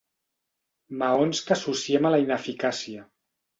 Maons que associem a la ineficàcia.